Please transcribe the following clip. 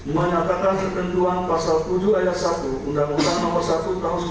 tiga menyatakan tertentuan pasal tujuh ayat satu undang undang no satu tahun seribu sembilan ratus empat puluh lima